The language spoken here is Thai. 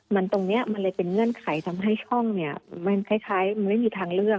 มันตรงนี้มันเลยเป็นเงื่อนไขทำให้ช่องเนี่ยมันคล้ายมันไม่มีทางเลือก